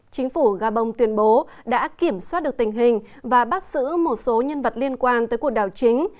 chính phủ gabon tuyên bố đã kiểm soát được tình hình và bắt giữ một số nhân vật liên quan tới cuộc đảo chính